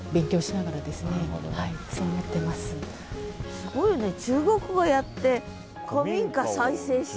すごいよね中国語やって古民家再生して。